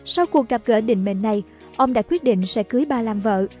sau cuộc gặp gỡ định mệnh này ông đã quyết định sẽ cưới ba làng vợ